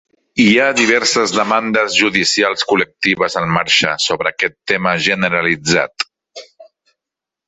Hi ha diverses demandes judicials col·lectives en marxa sobre aquest tema generalitzat.